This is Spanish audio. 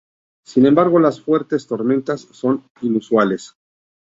Sin embargo las fuertes tormentas son inusuales.